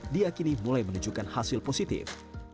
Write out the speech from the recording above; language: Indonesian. diakini mulai menunjukkan hasil positif